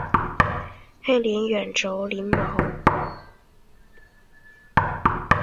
黑鳞远轴鳞毛蕨为鳞毛蕨科鳞毛蕨属下的一个种。